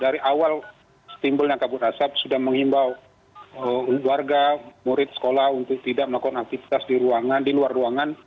dari awal timbulnya kabut asap sudah menghimbau warga murid sekolah untuk tidak melakukan aktivitas di ruangan di luar ruangan